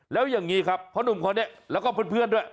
แล้วอย่างนี้ครับเพราะหนุ่มคนนี้แล้วก็เพื่อนด้วย